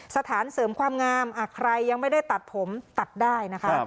สถานเสริมความงามใครยังไม่ได้ตัดผมตัดได้นะคะ